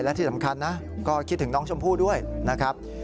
และที่สำคัญนะก็คิดถึงน้องชมพู่ด้วยนะครับ